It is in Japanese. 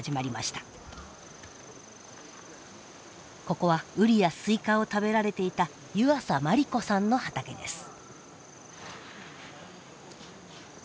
ここはウリやスイカを食べられていた湯浅万里子さんの畑です。